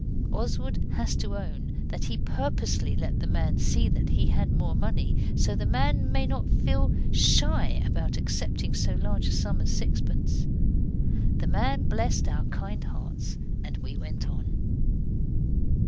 Oswald has to own that he purposely let the man see that he had more money, so that the man might not feel shy about accepting so large a sum as sixpence. The man blessed our kind hearts and we went on.